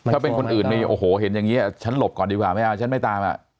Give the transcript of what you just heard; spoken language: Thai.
ถ้าเป็นคนอื่นมีโอ้โหเห็นอย่างนี้ฉันหลบก่อนดีกว่าไม่เอาฉันไม่ตามอ่ะ